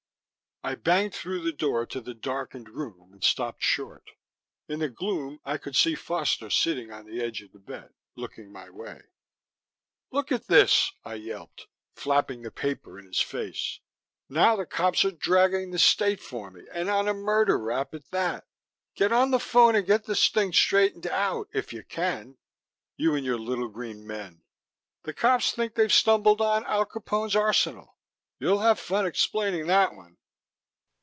I banged through the door to the darkened room and stopped short. In the gloom I could see Foster sitting on the edge of the bed, looking my way. "Look at this," I yelped, flapping the paper in his face. "Now the cops are dragging the state for me and on a murder rap at that! Get on the phone and get this thing straightened out if you can. You and your little green men! The cops think they've stumbled on Al Capone's arsenal. You'll have fun explaining that one...."